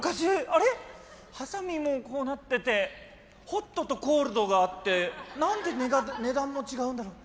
あれハサミもこうなっててＨＯＴとＣＯＬＤがあって何で値段も違うんだろう